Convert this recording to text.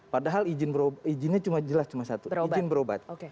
padahal izinnya cuma jelas cuma satu izin berobat